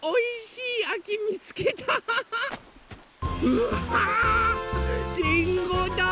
うわりんごだ！